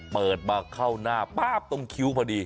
เปิดมาเข้าหน้าป๊าบตรงคิ้วพอดี